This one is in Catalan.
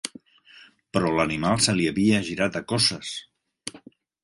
… però l'animal se li havia girat a cosses.